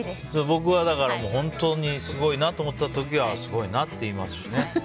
僕は、本当にすごいなと思った時はすごいなって言いますしね。